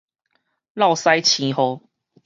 落屎星雨